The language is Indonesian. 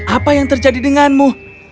apa yang terjadi denganmu